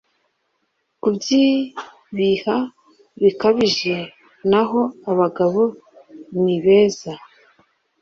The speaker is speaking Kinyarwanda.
kubyibiha bikabije naho abagabo ni beza